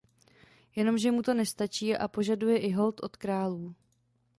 Jenomže mu to nestačí a požaduje i hold od králů.